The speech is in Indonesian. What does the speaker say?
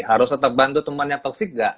harus tetep bantu temen yang toxic gak